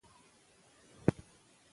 پر وېښتو دوامداره سټایلونه مه جوړوئ.